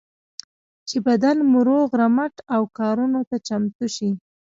چې بدن مو روغ رمټ او کارونو ته چمتو شي.